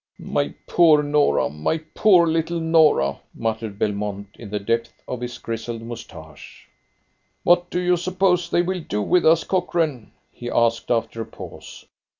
"My poor Norah! My poor little Norah!" muttered Belmont, in the depths of his grizzled moustache. "What do you suppose that they will do with us, Cochrane?" he asked after a pause.